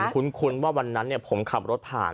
คุ้นว่าวันนั้นผมขับรถผ่าน